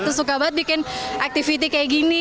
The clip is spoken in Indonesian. itu suka banget bikin activity kayak gini